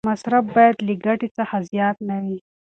مصرف باید له ګټې څخه زیات نه وي.